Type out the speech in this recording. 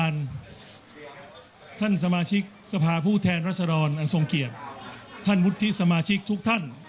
ฟังคุณเศรษฐา